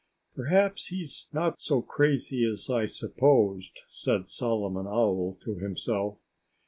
"Perhaps he's not so crazy as I supposed," said Solomon Owl to himself.